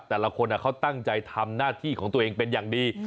แต่ละคนเขาตั้งใจทำหน้าที่ของตัวเองเป็นอย่างดี